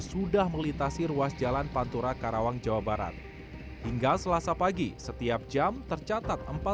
sudah melintasi ruas jalan pantura karawang jawa barat hingga selasa pagi setiap jam tercatat